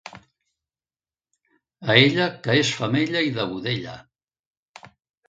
A ella, que és femella i de Godella!